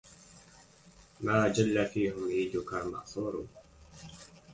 ما جل فيهم عيدك المأثور